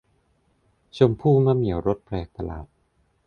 ชมพู่มะเหมี่ยวรสแปลกประหลาด